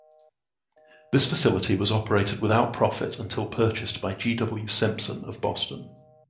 This facility was operated without profit until purchased by G. W. Simpson of Boston.